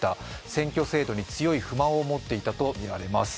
選挙制度に強い不満を持っていたとみられます。